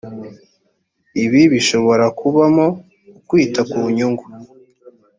ibi bishobora kubamo ukwita ku nyungu